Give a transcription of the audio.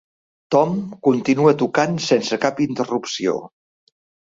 Tom continua tocant sense cap interrupció.